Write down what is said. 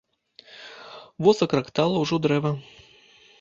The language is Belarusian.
Во закрактала ўжо дрэва.